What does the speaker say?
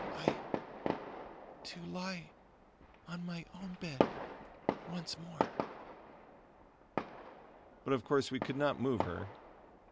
I want to lie on my own bed once more." But of course we could not move her.